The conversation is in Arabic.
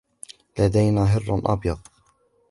لدينا هر أبيض.